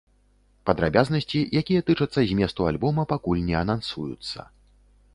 Падрабязнасці, якія тычацца зместу альбома, пакуль не анансуюцца.